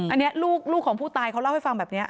อันนี้ลูกของผู้ตายเขาเล่าให้ฟังแบบนี้